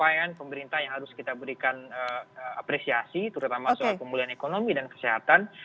dan di tengah capaian capaian pemerintah yang harus kita berikan apresiasi terutama soal pemulihan ekonomi dan kesehatan